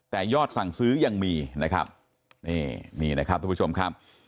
แต่ยอดสั่งซื้อยังมีนะครับนี่นี่นะครับทุกผู้ชมครับ